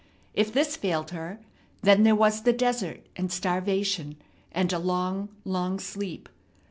If this failed her, then there was the desert, and starvation, and a long, long sleep.